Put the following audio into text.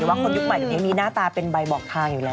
แต่ว่าคนยุคใหม่เดี๋ยวนี้มีหน้าตาเป็นใบบอกทางอยู่แล้ว